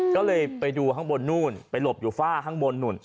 ก็เลยไปดูข้างบนนู่นไปหลบอยู่ฝ้าข้างบนนู่น